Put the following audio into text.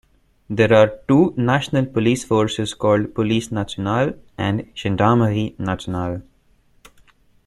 There are two national police forces called "Police nationale" and "Gendarmerie nationale".